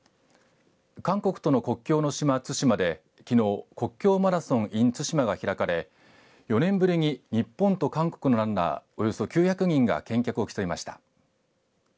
韓国との国境の島、対馬できのう国境マラソンＩＮ対馬が開かれ４年ぶりに日本と韓国のランナーおよそ９００人が健脚を競いました。